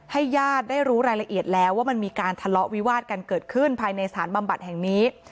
ญาติได้รู้รายละเอียดแล้วว่ามันมีการทะเลาะวิวาดกันเกิดขึ้นภายในสถานบำบัดแห่งนี้